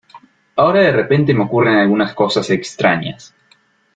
Ahora de repente me ocurren algunas cosas extrañas